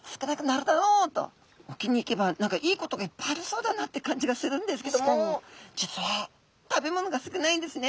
沖に行けば何かいいことがいっぱいありそうだなって感じがするんですけども実は食べ物が少ないんですね。